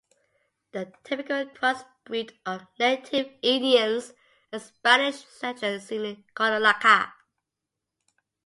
The typical cross-breed of native Indians and Spanish settlers is seen in Cololaca.